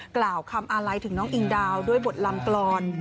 กล่าวคำอาลัยถึงน้องอิงดาวด้วยบทลำกรอน